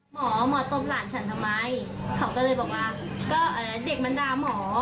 หมอหมอตบหลานฉันทำไมเขาก็เลยบอกว่าก็เด็กมันด่าหมอ